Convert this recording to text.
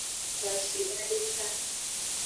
Kwashida deka.